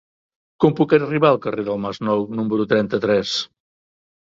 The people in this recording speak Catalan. Com puc arribar al carrer del Masnou número trenta-tres?